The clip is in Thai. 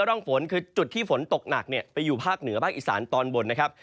ร่องฝนคือจุดที่ฝนตกหนักเนี่ยไปอยู่ภาคเหนือภาคอีสานตอนบนนะครับ